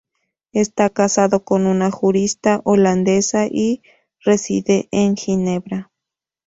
Está casado con una jurista holandesa y reside en Ginebra.